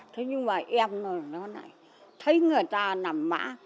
thế nhưng mà em nó này thấy người ta nằm mã